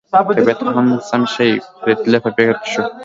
طبیعت هم سم شي، فرید لږ په فکر کې شو.